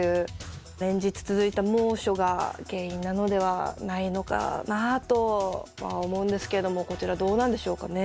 連日続いた猛暑が原因なのではないのかなとは思うんですけれどもこちらどうなんでしょうかね。